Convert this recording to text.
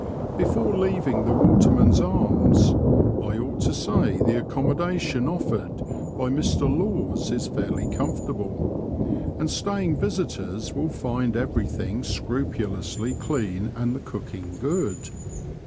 Before leaving the Waterman's Arms I ought to say the accommodation offered by Mr Laws is fairly comfortable, and staying visitors will find everything scrupulously clean and the cooking good.